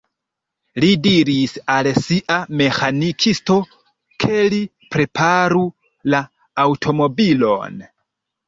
Li diris al sia meĥanikisto, ke li preparu la aŭtomobilon.